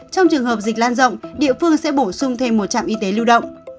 trong trường hợp dịch lan rộng địa phương sẽ bổ sung thêm một trạm y tế lưu động